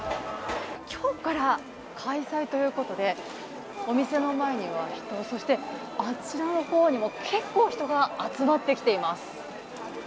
今日から開催ということで、お店の前には人、そしてあちらのほうにも結構人が集まってきています。